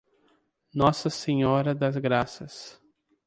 Nossa Senhora das Graças